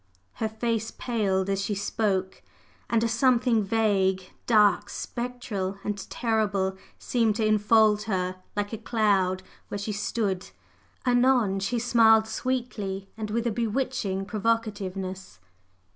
Her face paled as she spoke, and a something vague, dark, spectral and terrible seemed to enfold her like a cloud where she stood. Anon she smiled sweetly, and with a bewitching provocativeness.